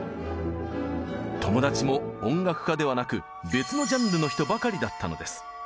友達も音楽家ではなく別のジャンルの人ばかりだったのです。